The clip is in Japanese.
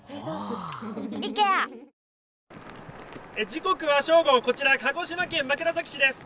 時刻は正午、こちら鹿児島県枕崎市です。